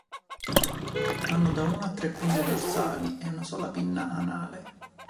Hanno da una a tre pinne dorsali ed una sola pinna anale.